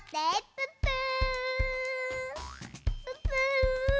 プップー。